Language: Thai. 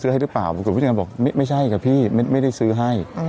ซื้อให้หรือเปล่าผู้จัดการบอกไม่ไม่ใช่ค่ะพี่ไม่ได้ซื้อให้